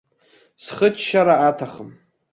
Схыччара аҭахым.